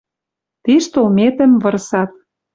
Тиш толметӹм вырсат